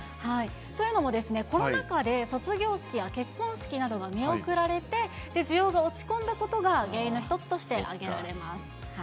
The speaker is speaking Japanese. というのも、コロナ禍で卒業式や結婚式などが見送られて、需要が落ち込んだことが原因の一つとして挙げられます。